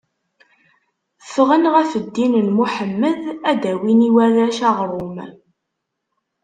Ffɣen ɣef ddin n Muḥemmed, ad d-awin i warrac aɣrum.